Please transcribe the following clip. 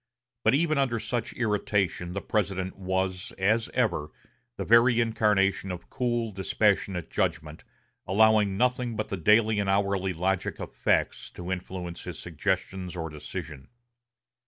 But even under such irritation the President was, as ever, the very incarnation of cool, dispassionate judgment, allowing nothing but the daily and hourly logic of facts to influence his suggestions or decision.